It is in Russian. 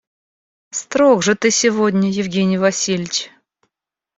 Строг же ты сегодня, Евгений Васильевич.